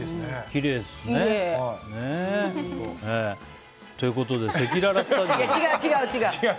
きれいですね。ということで違う違う！